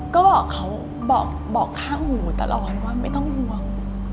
ก็บอกเขาบอกข้างหูตลอดว่าไม่ต้องห่วง